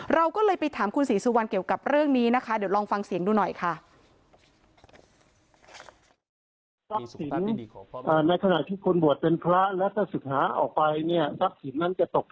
เราก็เลยไปถามคุณศรีสุวรรณเกี่ยวกับเรื่องนี้นะคะ